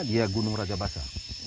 di gunung rajabasa